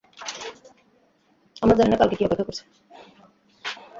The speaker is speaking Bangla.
আমরা জানি না, কালকে কী অপেক্ষা করছে।